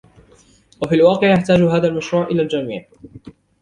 وفي الواقع ، يحتاج هذا المشروع إلى الجميع.